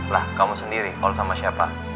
lah kamu sendiri call sama siapa